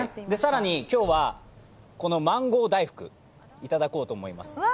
更に、今日はマンゴー大福をいただこうと思います。